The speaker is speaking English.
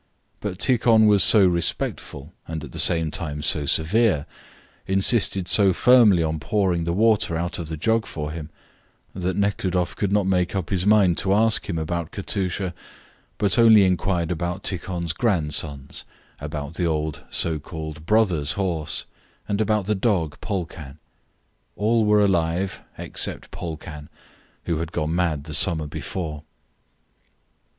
But Tikhon was so respectful and at the same time so severe, insisted so firmly on pouring the water out of the jug for him, that Nekhludoff could not make up his mind to ask him about Katusha, but only inquired about Tikhon's grandsons, about the old so called "brother's" horse, and about the dog Polkan. All were alive except Polkan, who had gone mad the summer before.